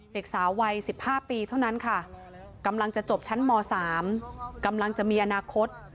เด็กสาววัย๑๕ปีเท่านั้นค่ะกำลังจะจบชั้นม๓กำลังจะมีอนาคต